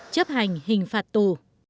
chấp hành hình phạt tù